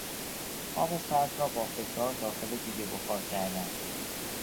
آب سرد را با فشار داخل دیگ بخار کردن